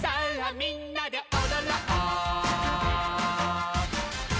みんなでおどろう」